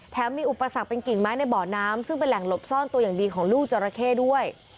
มีอุปสรรคเป็นกิ่งไม้ในบ่อน้ำซึ่งเป็นแหล่งหลบซ่อนตัวอย่างดีของลูกจราเข้ด้วย